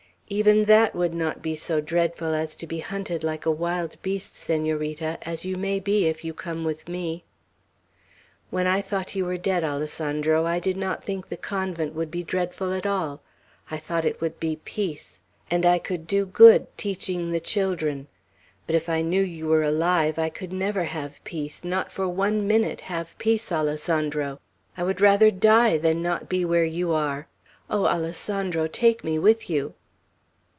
"Even that would not be so dreadful as to be hunted like a wild beast, Senorita; as you may be, if you come with me." "When I thought you were dead, Alessandro, I did not think the convent would be dreadful at all. I thought it would be peace; and I could do good, teaching the children. But if I knew you were alive, I could never have peace; not for one minute have peace, Alessandro! I would rather die, than not be where you are. Oh, Alessandro, take me with you!"